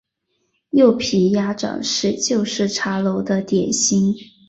柚皮鸭掌是旧式茶楼的点心。